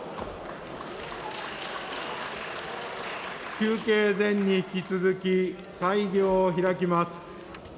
休憩前に引き続き、会議を開きます。